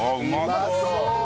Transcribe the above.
うまそう！